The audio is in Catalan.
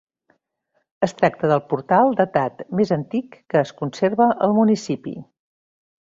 Es tracta del portal datat més antic que es conserva al municipi.